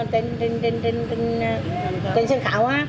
trên sân khảo